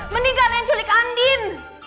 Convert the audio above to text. mending kalian culik andin